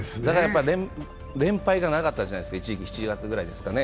連敗が長かったじゃないですか、７月くらいですかね。